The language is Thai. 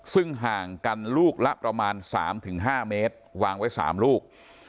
ซึ่งห่างกันลูกละประมาณ๓๕เมตรวางไว้๓ลูก